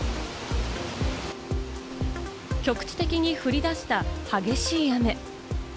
局地的に降り出した激しい雨。